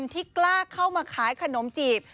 ที่กล้าเข้ามาขายขนมจีบ